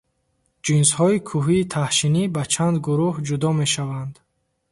Ҷинсҳои кӯҳии таҳшинӣ ба чанд гурӯҳ ҷудо мешаванд?